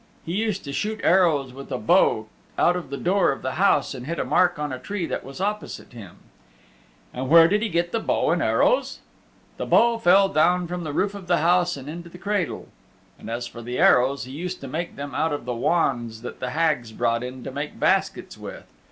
He used to shoot arrows with a bow out of the door of the house and hit a mark on a tree that was opposite him. And where did he get the bow and arrows? The bow fell down from the roof of the house and into the cradle. And as for arrows he used to make them out of the wands that the Hags brought in to make baskets with.